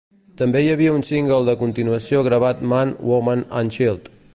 També hi havia un single de continuació gravat: "Man, Woman and Child".